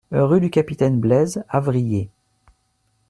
Rue du Capitaine Blaise, Avrillé